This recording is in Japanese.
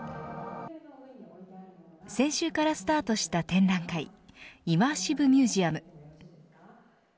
先週からスタートした展覧会イマーシブミュージアム。